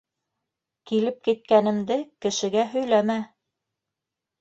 Килеп киткәнемде кешегә һөйләмә.